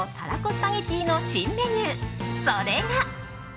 スパゲティの新メニュー、それが。